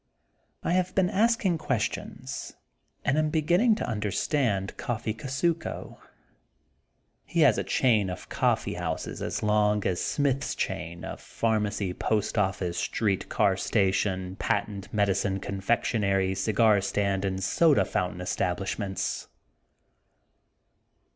I have been asking questions and am be ginning to understand Coffee Kusuko. He has a chain of coffee houses as long as Smith 's chain of pharmacy post office street car sta tion patent medicine confectionery cigar stand and soda fountain establishments.